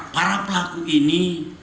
para pelaku ini